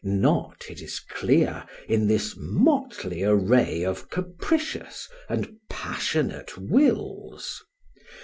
Not, it is clear, in this motley array of capricious and passionate wills!